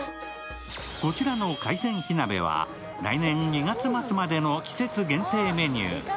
こちらの海鮮火鍋は来年２月末までの季節限定メニュー。